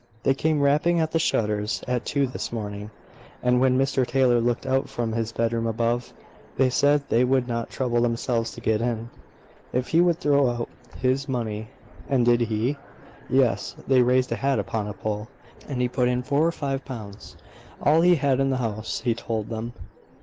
They came rapping at the shutters, at two this morning; and when Mr Taylor looked out from his bedroom above, they said they would not trouble themselves to get in, if he would throw out his money!" "And did he?" "Yes. They raised a hat upon a pole, and he put in four or five pounds all he had in the house, he told them.